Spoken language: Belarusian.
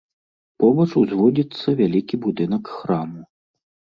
Побач узводзіцца вялікі будынак храму.